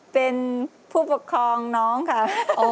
เป็นผู้ปกครองน้องค่ะ